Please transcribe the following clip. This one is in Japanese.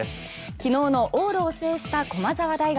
昨日の往路を制した駒澤大学。